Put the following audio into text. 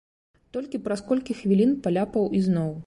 Толькі праз колькі хвілін паляпаў ізноў.